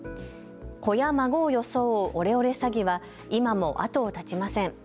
子や孫を装うオレオレ詐欺は今も後を絶ちません。